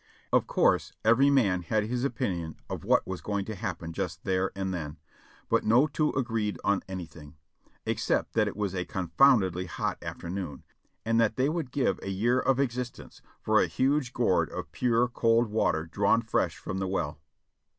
Of course every man had his opinion of what was going to happen just there and then, but no two agreed on anything, ex cept that it was a confoundedly hot afternoon, and that they would give a year of existence for a huge gourd of pure, cold water drawn fresh from the well.